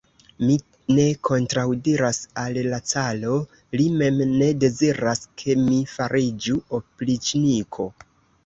Mi ne kontraŭdiras al la caro, li mem ne deziras, ke mi fariĝu opriĉniko.